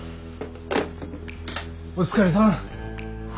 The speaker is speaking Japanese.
お疲れさん。